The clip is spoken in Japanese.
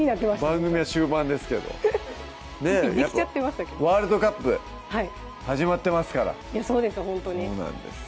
番組は終盤ですけどねっやっぱワールドカップ始まってますからそうです